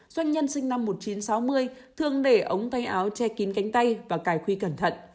doanh nhân sinh năm một nghìn chín trăm sáu mươi thường để ống tay áo che kín cánh tay và cài khuy cẩn thận